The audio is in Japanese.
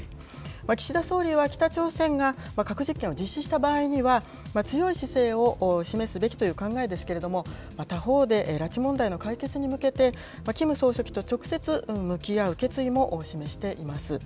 岸田総理は北朝鮮が核実験を実施した場合には、強い姿勢を示すべきという考えですけれども、他方で拉致問題の解決に向けて、キム総書記と直接向き合う決意も示しています。